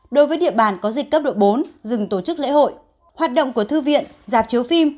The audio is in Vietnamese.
đối với địa bàn có dịch cấp độ bốn dừng tổ chức lễ hội hoạt động của thư viện dạp chiếu phim